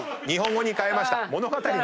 日本語に変えました。